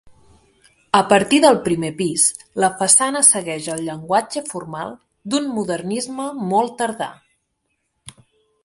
A partir del primer pis la façana segueix el llenguatge formal d'un modernisme molt tardà.